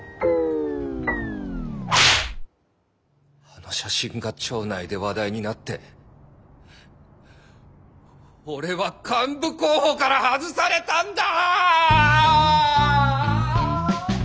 あの写真が庁内で話題になって俺は幹部候補から外されたんだ！